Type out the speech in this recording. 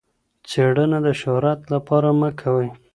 څېړنه د شهرت لپاره مه کوئ.